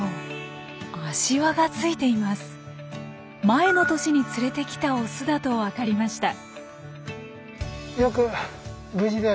前の年に連れてきたオスだと分かりました。